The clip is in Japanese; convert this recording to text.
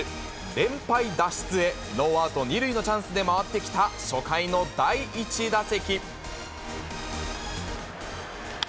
連敗脱出へ、ノーアウト２塁のチャンスで回ってきた初回の第１打席。